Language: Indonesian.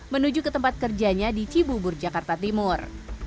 menuju ke tempat kerjanya di cibubur jakarta timur